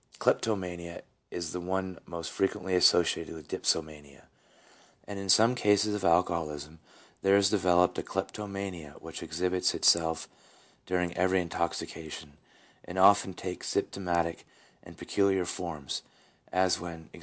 Kleptomania is the one most frequently associated with dipsomania, and in some cases of alcoholism there is developed a kleptomania which exhibits itself during every intoxication, and often takes systematic and peculiar forms, as when, e.